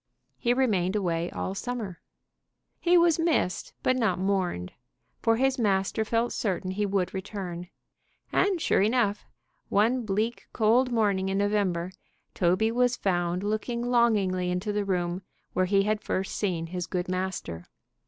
He remained away all summer. He was missed but not mourned, for his master felt certain he would return; and, sure enough, one bleak cold morning in November, Toby was found looking longingly into the room where he had first seen his good master.